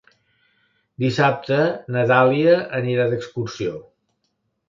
Dissabte na Dàlia anirà d'excursió.